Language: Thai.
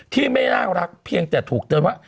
ที่ไม่น่ารักเพียงแต่ถูกเตือนว่า